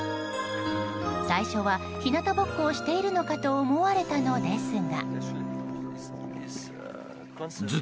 最初は日向ぼっこをしているのかと思われたのですが。